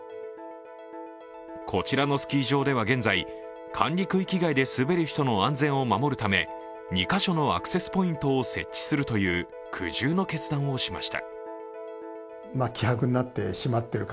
こちらのスキー場では現在管理区域外で滑る人の安全を守るため、２カ所のアクセスポイントを設置するという苦渋の決断をしました。